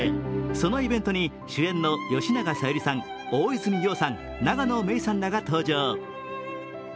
そのイベントに主演の吉永小百合さん、大泉洋さん、永野芽郁さんらが登場。